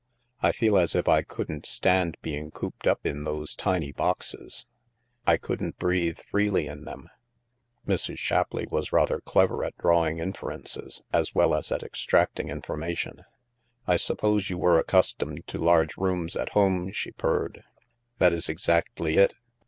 I feel as if I couldn't stand being cooped up in those tiny boxes. I couldn't breathe freely in them." Mrs. Shapleigh was rather clever at drawing in ferences, as well as at extracting information. " I suppose you were accustomed to large rooms at home ?" she purred. " That is exactly it.